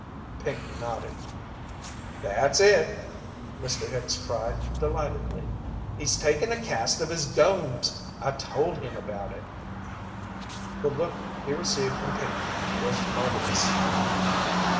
Pinkey nodded. "That's it!" Mr. Hicks cried, delightedly: "He's takin' a cast of his gooms I told him about it." The look he received from Pinkey was murderous.